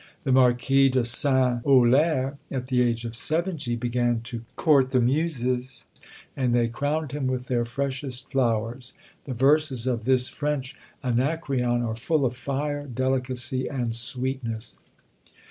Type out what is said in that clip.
The Marquis de Saint Aulaire, at the age of seventy, began to court the Muses, and they crowned him with their freshest flowers. The verses of this French Anacreon are full of fire, delicacy, and sweetness.